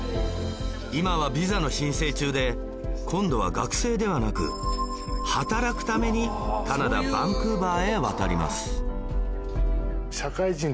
今はビザの申請中で今度は学生ではなく働くためにカナダバンクーバーへ渡ります